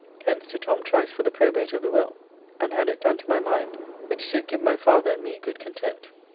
Hence to Tom Trice for the probate of the will and had it done to my mind, which did give my father and me good content.